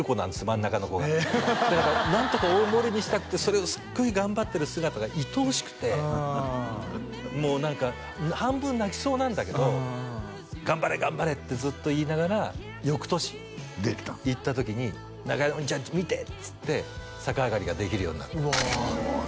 真ん中の子がだからなんとか大盛りにしたくてそれをすごい頑張ってる姿がいとおしくてもう何か半分泣きそうなんだけど「頑張れ頑張れ！」ってずっと言いながら翌年行った時に「中井お兄ちゃん見て」っつって逆上がりができるようになってうわ